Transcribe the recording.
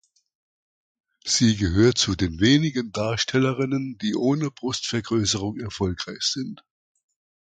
Sie gehört zu den wenigen Darstellerinnen, die ohne Brustvergrößerung erfolgreich sind.